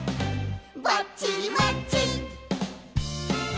「バッチリマッチ！」